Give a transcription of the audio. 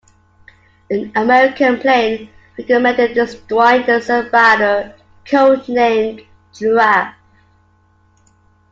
An American plane recommended destroying the Serb radar, code-named Giraffe.